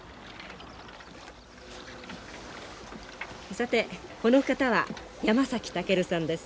さてこの方は山崎武さんです。